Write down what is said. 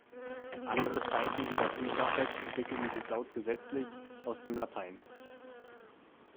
Andere Zeiten wie das Imperfekt entwickelten sich lautgesetzlich aus dem Latein: lat.